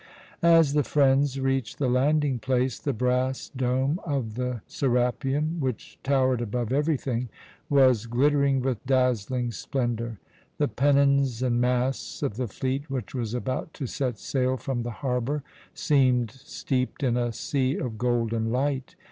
As the friends reached the landing place the brass dome of the Serapeum, which towered above everything, was glittering with dazzling splendour. The pennons and masts of the fleet which was about to set sail from the harbour seemed steeped in a sea of golden light.